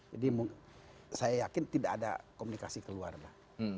jadi saya yakin tidak ada komunikasi keluar lah